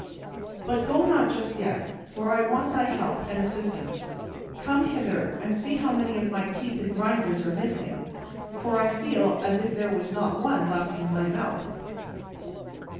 But go not just yet, for I want thy help and assistance; come hither, and see how many of my teeth and grinders are missing, for I feel as if there was not one left in my mouth."